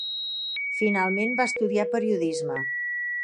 Finalment va estudiar periodisme.